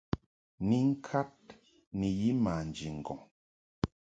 Ni ŋkad ni yi maji ŋgɔŋ.